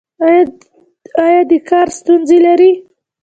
ایا د کار ستونزې لرئ؟